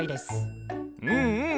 うんうん